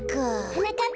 はなかっ